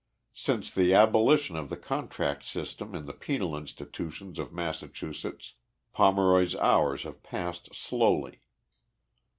Since the abolition of the contract system in the penal insti tutions of Massachusetts Pomeroy's hours have passed slowly.